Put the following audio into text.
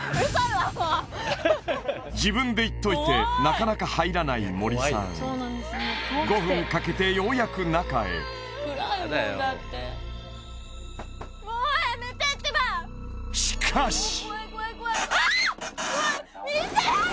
自分で言っといてなかなか入らない森さん５分かけてようやく中へしかしあっ！